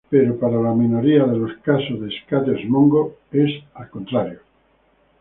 Pero para la minoría de casos de "skaters mongo", es al contrario.